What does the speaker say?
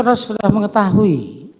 tentunya saudara sudah mengetahui